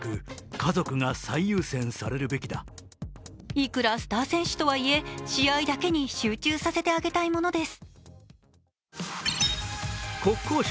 いくらスター選手とはいえ、試合だけに集中させてあげたいものです。